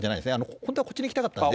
本当はこっちに行きたかったんで。